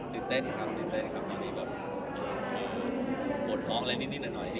คือเต้นครับตีนเต้นครับตอนนี้แบบคือโกรธภองอะไรนิดหน่อยนิด